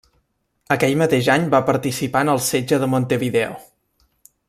Aquell mateix any va participar en el setge de Montevideo.